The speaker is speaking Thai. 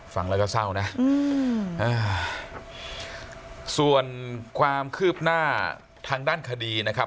ฟังแล้วก็เศร้านะอืมอ่าส่วนความคืบหน้าทางด้านคดีนะครับ